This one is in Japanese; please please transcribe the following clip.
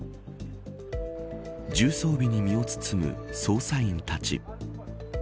重装備に身を包む捜査員たち。